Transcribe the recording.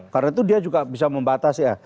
karena itu dia juga bisa membatasi ya